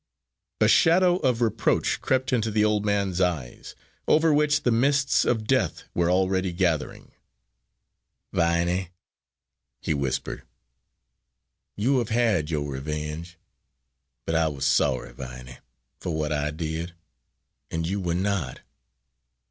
A shadow of reproach crept into the old man's eyes, over which the mists of death were already gathering. "Yes, Viney," he whispered, "you have had your revenge! But I was sorry, Viney, for what I did, and you were not.